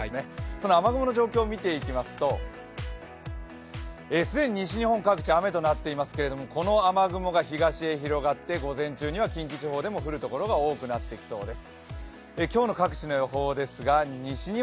その雨雲の状況を見ていきますと既に西日本各地雨となっていますけれども、この雨雲が東へ広がって午前中には近畿地方でも降る所が多くなってきそうです。